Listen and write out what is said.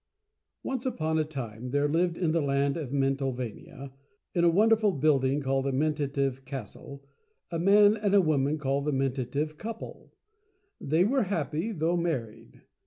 Once upon a time there lived in the land of Mental vania, in a wonderful building called The Mentative Castle, a Man arid a Woman, called "The Mentative Couple." They were Happy though Married.